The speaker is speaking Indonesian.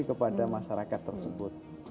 kepada masyarakat tersebut